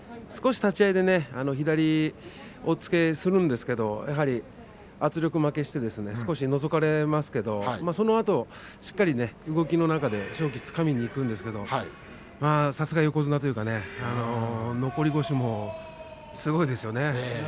立ち合いで左押っつけをするんですけれど圧力負けして少しのぞかれますけれどそのあとしっかりと動きの中で勝機をつかみにいくんですけれどさすが横綱というか残り腰もすごいですよね。